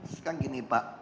sekarang gini pak